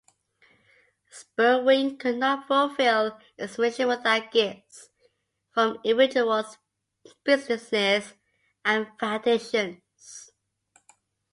Spurwink could not fulfill its mission without gifts from individuals, businesses, and foundations.